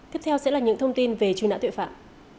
tiếp theo sẽ là những thông tin về truy nã tội phạm